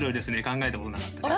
考えたこともなかったです。